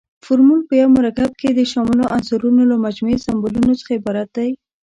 فورمول په یو مرکب کې د شاملو عنصرونو له مجموعي سمبولونو څخه عبارت دی.